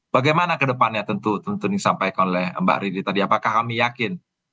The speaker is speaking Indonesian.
bagaimana kedepannya tentu tentu yang disampaikan oleh mbak riri tadi apakah kami yakin